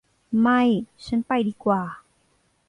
ไม่ ฉันไปดีกว่า